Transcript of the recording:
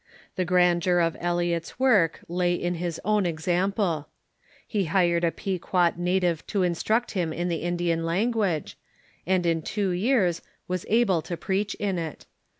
The grandeur of Eliot's work lay in his own example. He hired a Pequot captive to instruct him in the Indian language, and in two years was able to preach in it.